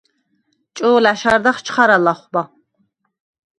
ჭო̄ლა̈შ არდახ ჩხარა ლახვბა.